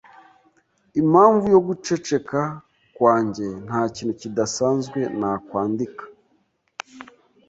Impamvu yo guceceka kwanjye ntakintu kidasanzwe nakwandika.